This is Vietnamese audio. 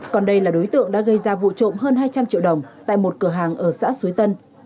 còn đây là đối tượng đã gây ra vụ trộm hơn hai trăm linh triệu đồng tại một cửa hàng ở xã suối tân